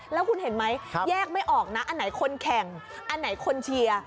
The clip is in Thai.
แล้วคุณเห็นไหมแยกไม่ออกนะอันไหนคนแข่งอันไหนคนเชียร์